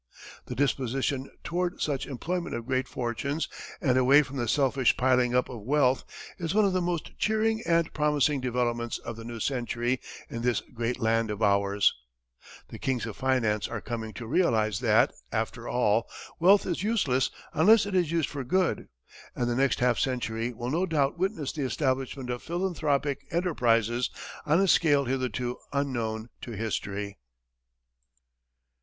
The disposition toward such employment of great fortunes, and away from the selfish piling up of wealth is one of the most cheering and promising developments of the new century in this great land of ours; the kings of finance are coming to realize that, after all, wealth is useless unless it is used for good, and the next half century will no doubt witness the establishment of philanthropic enterprises on a scale hitherto unknown to history.